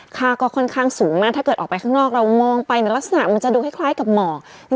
ค่าก็ค่อนข้างสูงมากถ้าเกิดออกไปข้างนอกเรามองไปลักษณะมันจะดูคล้ายกับหมอก